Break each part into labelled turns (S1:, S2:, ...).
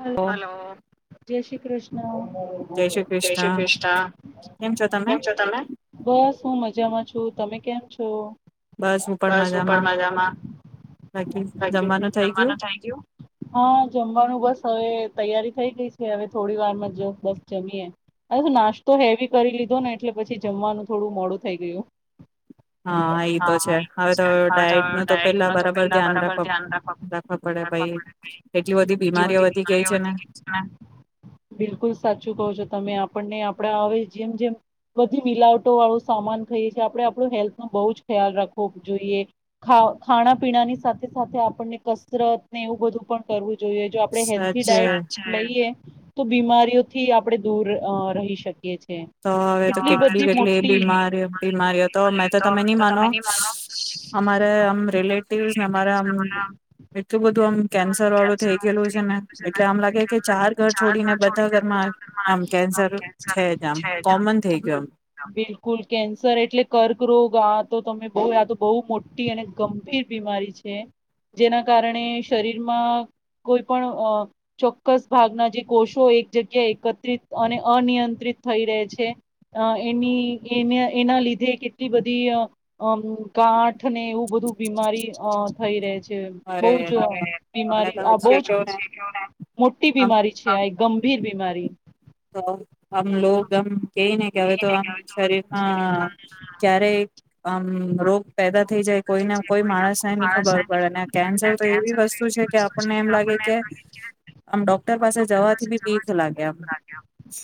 S1: હ
S2: ઓ
S1: હલો જય શ્રી કૃષ્ણ કૃષ્ણ જય શ્રી કૃષ્ણ કેમ છો તમે બસ મ મજામાં છું તમે કેમ છો બસ હું પણ મજામાં બાકી જમવાનું થઈ ગયું હા જમવાનું બસ ને તૈયારી થઈ ગઈ છે હવે થોડી વાર માં જ બસ જમીએ હવે નાસ્તો હેવી કરી લીધો ને એટલે પછી જમવાનું થોડું મોડું થઈ ગયું
S2: હા એઈ તો છે હવે તો ડાયટ નું તો પેલા બરાબર ધ્યાન રાખવા રાખવા પડે ભઈ એટલી બધી બીમારીઓ વધી
S1: બીમારી
S2: છે ને
S1: વધી ગઈ છે બિલકુલ સાચું કહો છો તમે આપણને ને આપડે હવે જેમ જેમ બધી મિલાવટો વાળું સામાન ખઈએ છીએ આપડે આપડુ હેલ્થ નો બહુ જ ખ્યાલ રાખવો જોઈએ ખાવ ખાણા પીણાની સાથે સાથે આપણને કસરત ને એવું બધું પણ કરવું જોઈએ જો આપડે હેલ્થ
S2: સાચે
S1: ડાયટ લઈએ તો બીમારીઓથી આપડે દૂર અ રહી શકીએ છે.
S2: તો હવે તો
S1: એટલી
S2: કેટલી
S1: બધી
S2: કેટલી એ
S1: મોટી
S2: બીમારી બીમારીઓ તો મેં તો તમે નહી માનો અમારે આમ રિલેટિવસ ને અમારે આમ એટલું બધું આમ કેન્સર વાળું થઇ ગયલું છે ને
S1: [inaudible]
S2: એટલે આમ લાગે કે
S1: ચાર ઘર
S2: બધા
S1: છોડીને કે
S2: ઘરમાં
S1: બધાના ઘરમાં આમ કેન્સર છે
S2: જ
S1: કોમન
S2: આમ
S1: થઈ ગયું,
S2: કોમન થઈ ગયો
S1: આમ બિલકુલ કેન્સર એટલે કર્કરોગ આ તો તમે બહુ આ તો બહુ મોટી અને ગંભીર બીમારી છે, જેના કારણે શરીરમાં કોઈ પણ ચોક્કસ ભાગના જે કોષો એક જગ્યા એકત્રિત અને અનિયંત્રિત થઈ રહે છે, અ એની એને એના લીધે કેટલી બધી અ અમ ગાઠ ઠ ને એવું બધું અ બીમારી થઈ રહે છે. છે બહુ જ
S2: અરે
S1: [unintelligible] અને
S2: મને
S1: બીમારી
S2: તો
S1: આ બઉ
S2: હજી
S1: જ
S2: કેવ ને
S1: મોટી
S2: આમ
S1: બીમારી છે, આ એક ગંભીર બીમારી
S2: તો હમ લોગ આમ કે ને કે હવે તો આમ શરીરમાં ક્યારેય અ રોગ પેદા થઈ જાય કોઈને કોઈ માણસને ની ખબર પડેને કેન્સર તો એવી વસ્તુ છે કે આપણને એમ લાગે કે આમ ડોક્ટર પાસે જવાથી બી બીક લાગે એમ.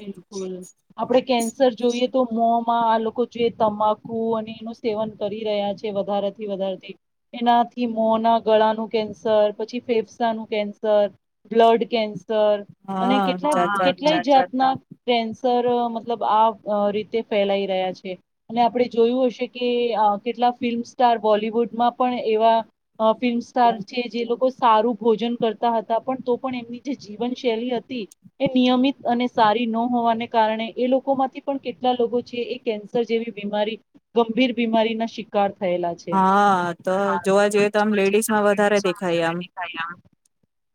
S1: બિલકુલ આપડે કેન્સર જોઈએ તો મોમાં લોકો જે તમાકુ અને એનું સેવન કરી રહ્યા છે, વધારેથી વધારેથી એનાથી મોના ગળાનું કેન્સર પછી ફેફસાનું કેન્સર, બ્લડ કેન્સ તે સર અને
S2: હા જાત
S1: કેટલાય
S2: જાતના
S1: કેટલાય જાતના કૅન્સ સર મતલબ આ અ રીતે ફેલાઈ રહ્યા છે અને આપડે જોયું હશે કે અ કેટલા ફિલ્મ સ્ટાર બોલિવુડમાં પણ એવા અ ફિલ્મ
S2: તો
S1: સ્ટાર છે જે લોકો સારું ભોજન કરતા હતા પણ તો પણ એમની જે જીવનશૈલી હતી એ નિયમિત અને સારી ન હોવાને કારણે એ લોકો માંથી પણ કેટલા લોકો છે એ કેન્સર જેવી બીમારી ગંભીર બીમારી ના શિકાર થયેલા છે.
S2: હા તો જોવા જઈએ તો આમ લેડીઝમાં વધારે દેખાય આમ
S1: [unintelligible]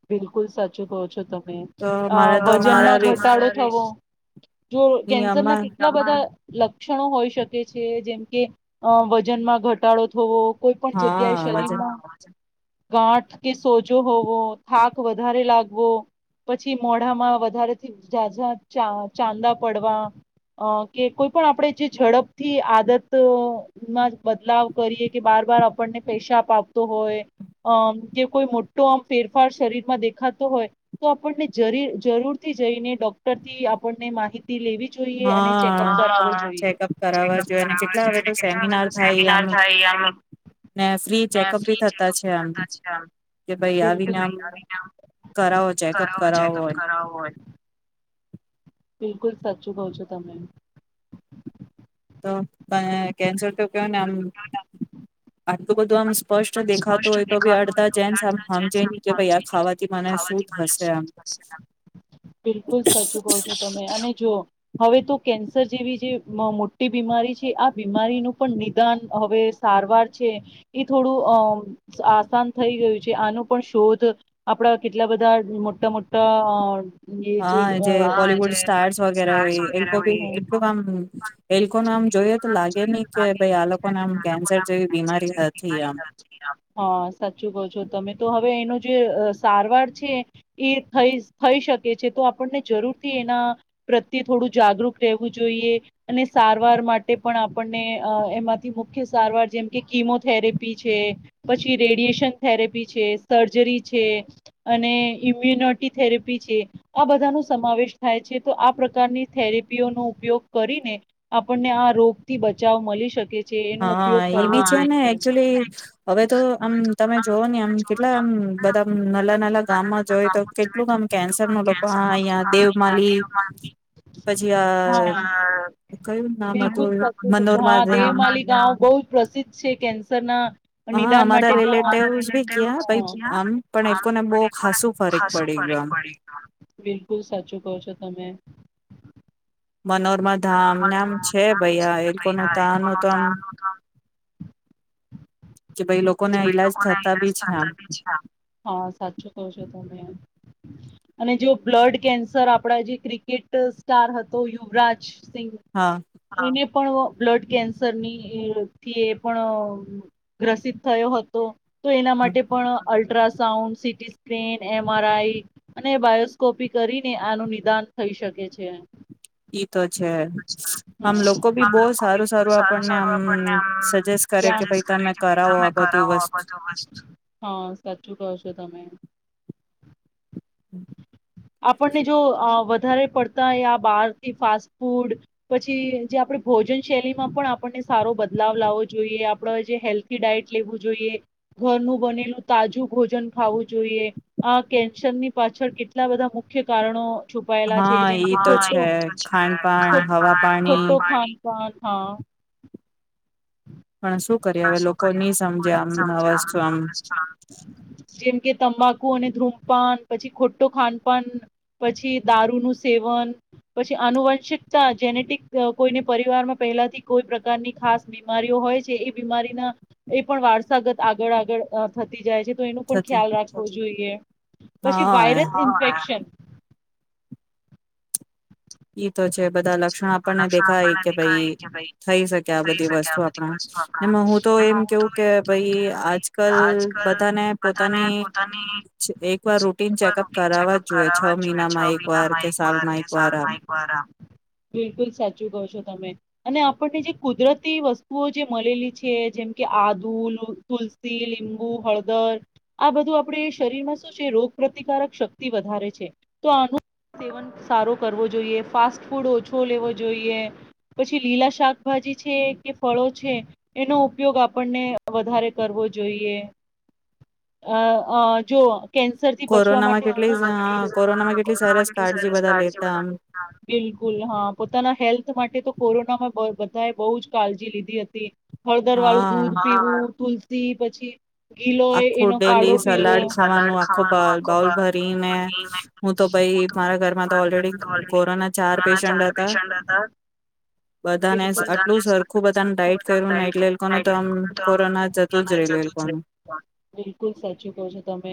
S1: બિલકુલ સાચુ કહો છો તમે.
S2: તો મારે તો અમારા
S1: વજનમાં
S2: રે
S1: ઘટાડો થવો, જો
S2: ની
S1: કેન્સરના
S2: અમાર
S1: કેટલા બધા લક્ષણો હોઈ શકે છે જેમ કે વજનમાં ઘટાડો થવો, કોઈ પણ
S2: હા
S1: જગ્યાએ
S2: વજન
S1: શરીરમાં ગાંઠ કે સોજો હોવો, થાક વધારે લાગવો કે પછી મોઢામાં વધારેથી ઝાઝાં ચાન ચાંદા પડવા કે કોઈ પણ આપણે જે ઝડપથી આદત તો માં બદલાવ કરીએ કે વાર વાર આપણને પેશાબ આવતો હોય કે કોઈ મોટો આમ ફેરફાર શરીરમાં દેખાતો હોય તો આપણને જરી જરૂરથી જઈને ડૉક્ટરથી આપણને માહિત લેવી જોઈએ અને
S2: હા
S1: ચેકઅપ કરાવવું જોઈએ.
S2: ચેકઅપ
S1: હા,
S2: કરાવવા
S1: ચેક‌અપ
S2: જોઈએ ને
S1: કરાવ
S2: કેટલા હવે તો
S1: કેટલા હવે
S2: સેમિનાર
S1: તો
S2: થાય
S1: સેમિનાર
S2: આમ
S1: થાય એમ,
S2: ને ફ્રી ચેકઅપ બી
S1: ફ્રી
S2: થતા
S1: ચેકઅપ
S2: છે આમ કે ભાઈ
S1: બી થતા છે કે,
S2: આવીને આમ
S1: ભાઈ
S2: કરાવો ચેકઅપ
S1: કરાવો ચેકઅપ
S2: એમ
S1: કરાવો બિલકુલ સાચું કહો છો તમે.
S2: [unintelligible] કેન્સર... કેનેમ્ [unintelligible] આટલું બધું આમ્..
S1: સ્પષ્ટ દેખાતું હોયતો બી
S2: આમ
S1: અડધા
S2: હમજે
S1: જેન્ટ્સ સમજે
S2: ની ભાઈ
S1: નહીં કે
S2: ખાવાથી
S1: આ
S2: મને શું
S1: ખાવાથી
S2: થશે આમ
S1: શું થશે? એમ. બિલકુલ સાચું કહો છો તમે. અને જુઓ.. હવે તો કેન્સર જેવી જે મોટી બીમારી છે. આ બીમારીનું પણ નિદાન, હવે સારવાર છે એ થોડું. આમ આસાન થઈ ગયું છે. આનું પણ શોધ આપણા કેટલા બધા મોટા મોટા.
S2: હા જે બોલવુડ સ્ટાર્સ
S1: પોલીસ
S2: વગેરે હોય એ લોકો ભી કેટલું આમ એ લોકોને આમ જોઈએ તો લાગે નહી કે ભાઈ આ લોકોને આમ કેન્સર જેવી બીમારી હતી આમ્.
S1: [unintelligible] હા. સાચું કહો છો તમે તો હવે એનો. જે સારવાર છે એ થ‌ઈ થઈ શકે છે તો આપણને જરૂરથી એના પ્રત્યે થોડું જાગૃત રહેવું જોઈએ. અને સારવાર માટે પણ આપણને એમાંથી મુખ્ય સારવાર જેમ કે કિમો થેરેપી. છે પછી રેડિએશન થેરેપી છે, સર્જરી છે અને ઇમ્યુનટી થેરેપી છે. આ બધાનો સમાવેશ થાય છે તો આ પ્રકારની થેરેપીઓનો ઉપયોગ કરીને આપણને આ રોગથી બચાવ મળી શકે છે. જે એનો ઉપયોગ
S2: હા એ
S1: કરવો
S2: બી છે
S1: જોઈ.
S2: ને એકચુલી હવે તો.. આમ્ તમે જોઓને આમ્ કેટલા આમ્ બધા નાના નાના ગામમાં જોઇએ તો કેટલુંક આમ કેન્સરના લોકો આ અહીં આ દેવમાલી પછી આ
S1: હા
S2: કયું નામ
S1: બિલકુલ
S2: હતું?
S1: સાચું સાચું હા
S2: મનોરમાધયમ.
S1: દેવમાલી ગાંવ બહુ જ પ્રસિદ્ધ છે કે
S2: હા
S1: નિદાન
S2: અમારા
S1: માટે.
S2: રિલેટ ટેવસ બી ગયા ભાઈ આમ
S1: [unintelligible]
S2: પણ એ લોકોને બહુ ખાસું ફરક પડી ગયો આમ
S1: બિલકુલ સાચું કહો છો તમે [unintelligible]
S2: મનોરમા ધામ ને આમ છે ભાઈ આ એ લોકોનું તાનું તો આમ કે ભાઈ લોકોને ઈલાજ થતા બી છે આમ
S1: હા સાચું કહો છો તમે અને જો બ્લડ કેન્સર આપણા જે ક્રિકેટ સ્ટાર હતો ય યુવરાજ. સિંગ
S2: હા
S1: ને પણ બ્લડ કેન્સરની એથી એ પણ ગ્રસિત થયો હતો. તો એના માટે પણ ultrasound, CT scan, M. R. I. અને બાયોસ્કોપી કરીને આનું નિદાન થઈ શકે છે.
S2: એ
S1: આમ
S2: બહુ સારું
S1: લોકોી સારું
S2: આપણને આમ
S1: સારું
S2: સજેસ્ટ કરે કે ભાઈ
S1: આપે
S2: તમે કરાવો
S1: તમે
S2: આ બધું
S1: કરાવો બ
S2: વસ્તુ
S1: સાચું ક છો તમે
S2: [inaudible]
S1: આપણને જો વધારે પડતા આ બહારથી ફાસ્ટ ફૂડ પછી જે આપણે ભોજન શૈલીમાં પણ આપણને સારો બદલાવ લાવવો જોઈએ આપણે જે હેલ્થી ડાયટ લેવું જોઈએ ઘરનું બનેલું તાજું ભોજન ખાવું જોઈએ આ કેન્સરની. પાછળ કેટલા બધા મુખ્ય કારણો છુપાયેલા છે
S2: હા
S1: જેમ
S2: ઈ
S1: કે
S2: તો છે ખાનપાન
S1: ખંડ
S2: હવા પાણી
S1: ખોટો ખાંડ હ હા
S2: પણ શું કરીએ હવે
S1: શું
S2: લોકો
S1: કર્યું
S2: નહી
S1: હું
S2: સમજે આમ આ વસ્તુ આમ
S1: પણ સમમ જેમ કે તંબાકુ અને ધૂમપાન પછી ખોટું ખાનપાન પછી દારૂનુંું સેવન પછી આનુવંશિકતા જેનેટિક કોઈને પરિવારમાં પહેલાથી કોઈ પ્રકારની ખાસ બીમારીઓ હોય છે એ બીમારીના એ પણ વારસાગત આગળ આગળ થતી જાય છે. તો એનો પણ
S2: થતી
S1: ખ્યાલ રાખવો જોઈએ પછી
S2: હા
S1: વાયરસ ઇન્ફેક્શન
S2: એ તો છે બધા લક્ષણ આપણને દેખાય કે ભાઈ થઈ શકે આ બધી વસ્તુ આપણા ને હું તો એમ કેવું કે ભાઈ આજ કલ બધાને પોતાની એક વાર રૂટીન ચેકઅપ કરાવવા જ જોઈએ છ મહિનામાં એક વાર કે સાલમાં એક વાર આમ.
S1: બરાબર. બિલકુલ સાચું કહો છો તમે અને આપણને જે કુદરતી વસ્તુઓ જે મળેલી છે જેમ કે આદુ તુલસી લીંબુ હળદર આ બધું આપણે શરીરમાં શું છે રોગ પ્ર્રતિકારક શક્તિ વધારે છે તો આનું સેવન સારો કરવો જોઈએ ફાસ્ટ ફૂડ ઓછો લેવો જોઈએ પછી લીલા શાકભાજી છે કે ફળો છે એનો ઉપયોગ આપણને વધારે કરવો જોઈએ આ જો. કેન્સરથી બચવા
S2: કોરોનામાં
S1: માટે
S2: કેટલી હા કોરોનામાં કેટલી સરસ કાળજી બધા લેતા આમ
S1: કો બકુલ હા પોતાના હેલ્થ માટે તો કોરોનામાં બધાએ બહુ જ કાળજી લીધી હતી. હળદર વાળું
S2: હા
S1: દૂધ પીવું તુલ સી પછી. ગીલો
S2: આખું
S1: એનો
S2: ડેલી
S1: કાળો પીવો
S2: સલાડ ખાવાનું આખું બાઉલ ભરી ને હું તો ભાઈ મારા ઘરમાં તો ઓલરેડી કોરોના ચાર પેશન્ટ હતા બધાને આટલું સરખું બધાને ડાઈટ કર્યું ને એટલે એનું તો આમ કોરોના જતું જ રહી એ લોકોનું.
S1: બિલકુલ સાચું કહો છો તમે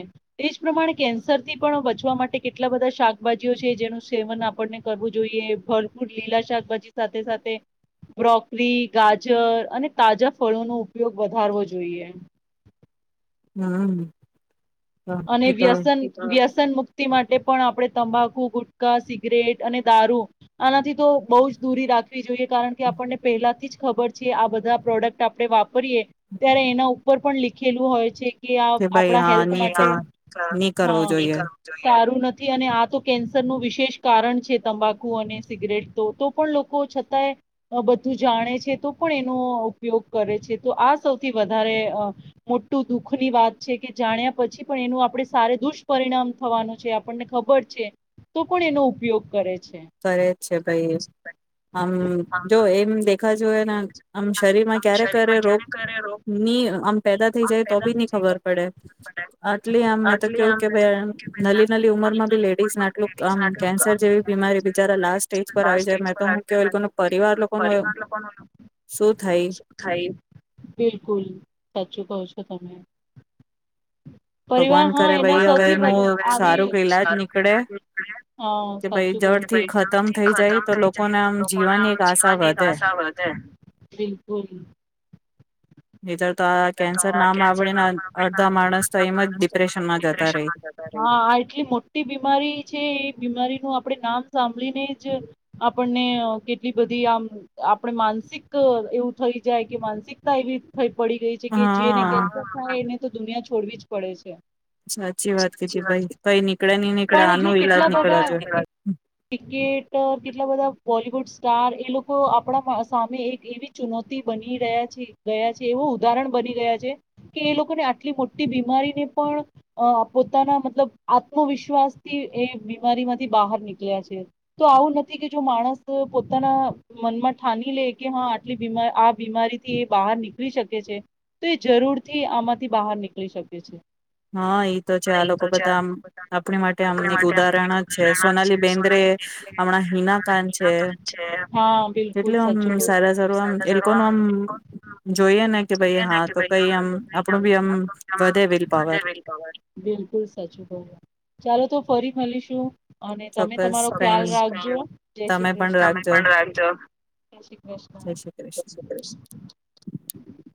S1: એજ પ્રમાણે કેન્સર થી પણ બચવા માટે કેટલા બધા શાકભાજીઓ છે જેનું સેવન આપણને. કરવું જોઈએ ભરપૂર લીલા શાકભાજી સાથે સાથે બ્રોકરી ગાજર અને તાજા ફળોનોો ઉપયોગ વધારવો જોઈએ.
S2: હમ
S1: અને
S2: એ તો
S1: વ્યસન વ્યસન મુક્તિ માટે પણ આપણે. તંબાકુ ગુટકાા સિગરેટ અને દારૂ આનાથી તો બહુ જ દૂરી રાખવી જોઈએ. કારણ કે આપણને પહેલાથી જ ખબર છે આ બધા પ્રોડક્ટ આપે વાપરીએ ત્યારે એના ઉપર પણ લીખેલું હોય છે. કે આ
S2: ભાઈ
S1: આપણા
S2: હા
S1: હેલ્પ
S2: નહી
S1: માં
S2: કર નહી કરવું જોઈએ
S1: [inaudible] નથી અને આ તો કેન્સરનુંું વિશેષ કારણ છે તંબાકુ અને સિગરેટ તો તો પણ લોકો છતાંય બધું જાણે છે તો પણ એનો ઉપયોગ કરે છે તો આ સૌથી વધારે મોટું દુઃખની વાત છે કે જાણ્યા પછી. પણ એનું આપે સ દુષ્પરિણામ થવાનું છે આપણને ખબર છે તો પણ એનો ઉપયોગ કરે છે.
S2: કરે જ છે ભાઈ આમ જો એમ દેખા જોને આમ શરીર માં ક્યારે ક્યારે રોગ ની આમ પેદા થઈ જાય તો બી નહી ખબર પડે આટલી આમ મેં તો કેવું કે ભાઈ નલી નલી ઉંમર માં ભી લેડીઝને આટલું આમ કેન્સર જેવી બીમારી. લાસ્ટ સ્ટેજ પર આવી જાય મેં તો હું કેય એ લોકો ન પરિવાર લોકો ન એ
S1: ખાય બિલકુલ સાચું કવ છું. તો તમે પરિવાર
S2: ભગવાન
S1: હા
S2: કરે
S1: એ
S2: ભાઈ હવે એનું સારું ઈલાજ નીકળે
S1: સારુંલા સાું
S2: કે ભાઈ ખતમ
S1: જડથી
S2: થઈ જાય
S1: ખતમ
S2: તો
S1: થઈ જાય
S2: લોકોને
S1: તો
S2: આમ
S1: લોકો ના
S2: જીવવાની
S1: આમ
S2: એક આશા
S1: જીવનની
S2: વધે
S1: આશા વધે બોલી
S2: ધર તો આ કેન્સર ના મા આવડીને અડધા માણસ. તો એમ જ ડિપ્રેશનમાં જતા રહી
S1: આ એટલી મોટી બીમારી છે એ બીમારી. આપણે નામ સાંભળીને જ આપણને કેટલી બધી આમ આપણે માનસિક એવું થઈ જાય કે માનસિકતા એવી થ પડી ગઈ છે કે જે
S2: હા
S1: એને તો દુનિયા છોડવી જ. પડે છે.
S2: સાચી વાત કીધી ભાઈ ભાઈ નીકળે નહી નીકળે
S1: સા વાત
S2: આનો
S1: જો
S2: ઈલાજ
S1: કેટલા
S2: નીકળવા
S1: બધા
S2: જોઈએ.
S1: ક્રિકેટ કેટલા બધા ક્રિકેટ બોલીવુડ ચાર એ લોકો આપણા સામે એક એવી ચુનૌતી બની રહ્યા છે ગયા છે. એવું ઉદાહરણ બની ગયા છે કે એ લોકોને આટલી મોટી બીમારીને પણ પોતાના મતલબ આત્મવિશ્વાસ થી એ બીમારી માંથી બહાર નીકળ્યા છે તો આવું નથી કે જો માણસ પોતાના મનમાં ઠાની લે કે હા આટ આ બીમારીથી એ બહાર નીકળ. શકે છે તો એ જરૂર થી આમાંથી બહાર નીકળી શકે છે.
S2: હા ઈ તો છે આ લોકો બધા આમ આપણી માટે આમ એક ઉદાહરણ જ છે સોનાલી બેન્દ હમણાં હિના કાન છે
S1: હા
S2: એટલ
S1: બિલકુલ
S2: આમ
S1: સાચું કહ્યું.
S2: સારા સારું આમ એ લોકોનું આમ જોઈએ ને કે ભાઈ હા તો કઈ આમ આપણું બી આમ વધે વીલ પાવર
S1: બિલકુલ સાચું બવ ચાલો તો ફરી મળીશું અને તમે
S2: ચોક્કસ
S1: તમારો
S2: કઈ
S1: ખ્યાલ
S2: નહી
S1: રાખજો જય
S2: તમે
S1: શ્રી
S2: પણ
S1: કૃષ્ણ
S2: રાખજો
S1: પણ રાખજો જય શ્રી કૃષ્ણ
S2: જય શ્રી
S1: જય
S2: કૃષ્ણ.
S1: શ્રી કૃષ્ણ